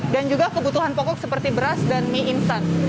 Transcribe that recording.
dan juga kebutuhan pokok seperti beras dan mie instan